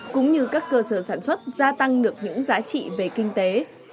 cũng như các cơ sở sản xuất gia tăng được những giá trị về kinh tế